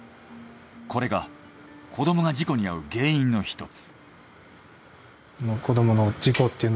これが子供が事故に遭う原因の一つ。